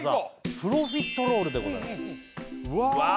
プロフィットロールでございますわあ！